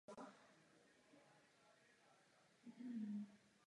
Chci, abychom utáhli kohoutky.